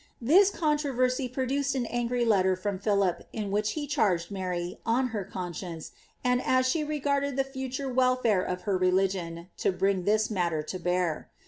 This conUroversy produced an angry letter from Philip, in which he charged Mary, on her conscience, and as she regarded the future wel&re of her religion, to bring this matter to bear.